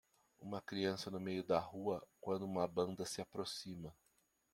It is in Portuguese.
Uma criança no meio da rua quando uma banda se aproxima.